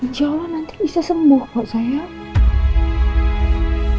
insya allah nanti bisa sembuh kok saya